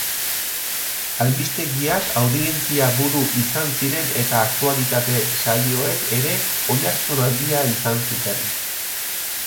Albistegiak audientzia-buru izan ziren eta aktualitate saioek ere oihartzun handia izan zuten.